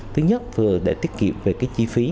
thứ nhất vừa để tiết kiệm về chi phí